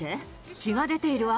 血が出ているわ。